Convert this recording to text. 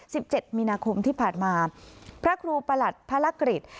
สิบเจ็ดมีนาคมที่ผ่านมาพระครูประหลัดพระรกฤษ